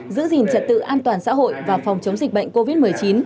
giữ gìn trật tự an toàn xã hội và phòng chống dịch bệnh covid một mươi chín